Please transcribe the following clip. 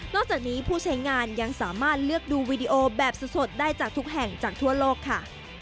จากนี้ผู้ใช้งานยังสามารถเลือกดูวีดีโอแบบสดได้จากทุกแห่งจากทั่วโลกค่ะ